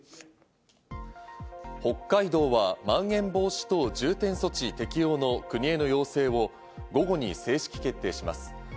北海道はまん延防止等重点措置適用の国への要請を午後に正式決定します。